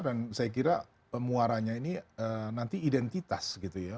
dan saya kira pemuaranya ini nanti identitas gitu ya